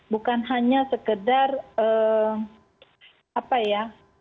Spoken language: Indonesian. bukan hanya sekedar apa ya